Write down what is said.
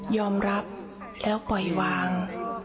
ยอมรับแล้วปล่อยวาง